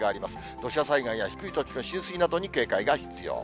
土砂災害や低い土地の浸水などに警戒が必要。